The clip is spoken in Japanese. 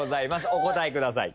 お答えください。